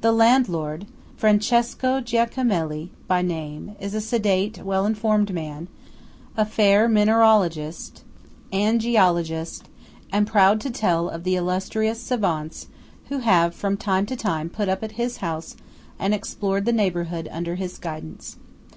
The landlord–Francesco Giacomelli by name–is a sedate, well informed man; a fair mineralogist and geologist; and proud to tell of the illustrious savants who have from time to time put up at his house and explored the neighbourhood under his guidance.